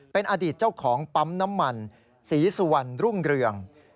เป็นอดีตเจ้าของปั๊มน้ำมันศรีสุวรรณรุ่งเรือง